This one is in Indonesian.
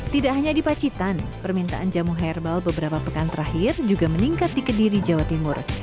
tidak hanya di pacitan permintaan jamu herbal beberapa pekan terakhir juga meningkat di kediri jawa timur